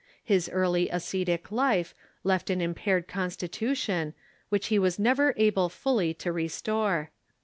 His early ascetic life left an impaired constitution, which he was never able fully to re store.